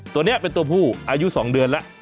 ตัวนี้เป็นตัวผู้อายุ๒เดือนแล้ว